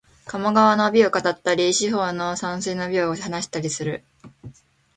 鴨川の美を語ったり、四方の山水の美を話したりする